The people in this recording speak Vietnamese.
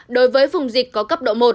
đối với vùng dịch có cấp độ một